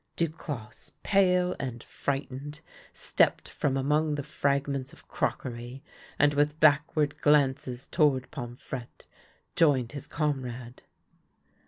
Duclosse, pale and frightened, stepped from among the fragments of crockery, and with backward glances toward Pomfrette joined his comrade.